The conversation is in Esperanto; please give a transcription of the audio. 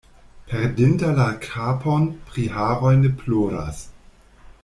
Perdinta la kapon pri haroj ne ploras.